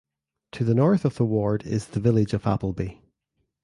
To the north of the ward is the village of Appleby.